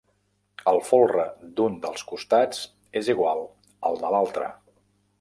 El folre d'un dels costats és igual al de l'altre.